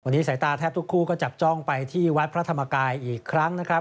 วันนี้สายตาแทบทุกคู่ก็จับจ้องไปที่วัดพระธรรมกายอีกครั้งนะครับ